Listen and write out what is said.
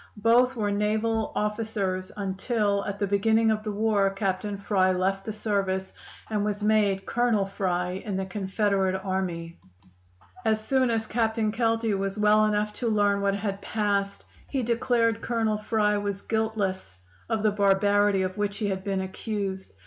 Both were naval officers, until at the beginning of the war Captain Fry left the service, and was made Colonel Fry in the Confederate Army. "As soon as Captain Kelty was well enough to learn what had passed, he declared Colonel Fry was guiltless of the barbarity of which he had been accused.